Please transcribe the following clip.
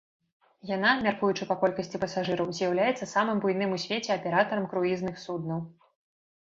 Яна, мяркуючы па колькасці пасажыраў, з'яўляецца самым буйным у свеце аператарам круізных суднаў.